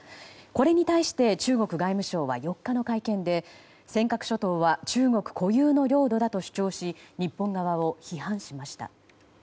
これに対して、中国外務省は４日の会見で尖閣諸島は中国固有の領土だと主張し日本側を批判しました。